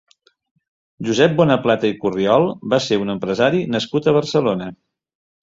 Josep Bonaplata i Corriol va ser un empresari nascut a Barcelona.